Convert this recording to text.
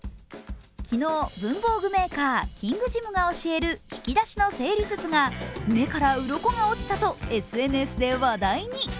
昨日、文房具メーカー、キングジムが教える引き出しの整理術が目からうろこが落ちたとＳＮＳで話題に。